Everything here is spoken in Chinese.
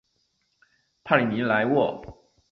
帕里尼莱沃。